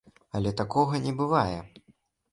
Але такога не бывае.